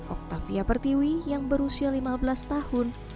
oktavia pertiwi yang berusia lima belas tahun